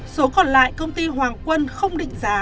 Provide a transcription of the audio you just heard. số còn lại công ty hoàng quân không định giá